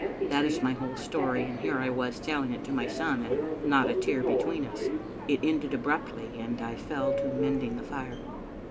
That is my whole story, and here was I telling it to my son, and not a tear between us. It ended abruptly, and I fell to mending the fire.